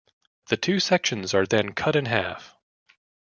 The two sections are then cut in half.